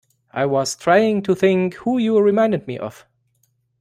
I was trying to think who you reminded me of.